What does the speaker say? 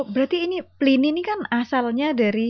berarti ini lini ini kan asalnya dari